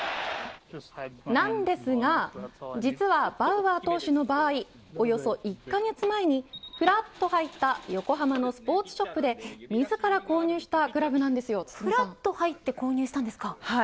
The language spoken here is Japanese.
なんですが、実はバウアー投手の場合およそ１カ月前にふらっと入った横浜のスポーツショップでふらっと入って購入したんですか。